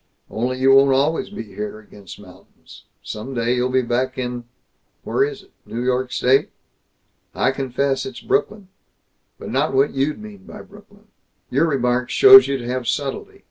"Only you won't always be out here against mountains. Some day you'll be back in where is it in New York State?" "I confess it's Brooklyn but not what you'd mean by Brooklyn. Your remark shows you to have subtlety.